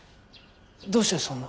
どうしてそんな。